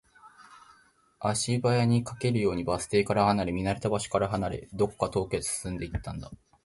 足早に、駆けるようにバス停から離れ、見慣れた場所からも離れ、どこか遠くへと進んでいったんだ